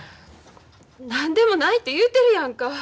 何でもないと言うてるやんか！